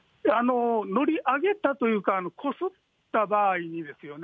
乗り上げたというか、こすった場合にですよね、